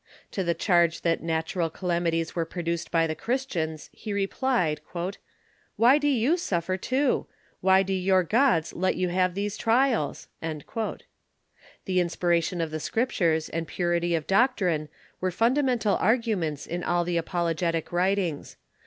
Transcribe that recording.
To the charge that national ca lamities were produced by the Christians, he replied: " Why do you suffer too ? Why do your gods let you have these trials ?" The inspiration of the Scriptures and purity of doc trine were fundamental arguments in all the apologetic writ ings.